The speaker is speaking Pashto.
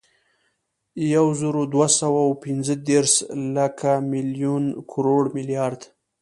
یوزرودوهسوه اوپنځهدېرس، لک، ملیون، کروړ، ملیارد